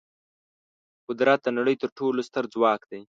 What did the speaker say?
قدرت د نړۍ تر ټولو ستر ځواک دی.